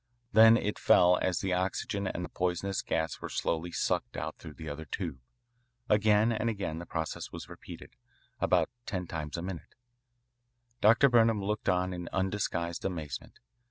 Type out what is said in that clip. Then it fell as the oxygen and the poisonous gas were slowly sucked out through the other tube. Again and again the process was repeated, about ten times a minute. Dr. Burnham looked on in undisguised amazement.